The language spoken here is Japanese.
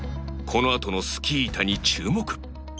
このあとのスキー板に注目